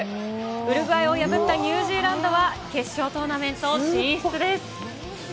ウルグアイを破ったニュージーランドは決勝トーナメント進出です。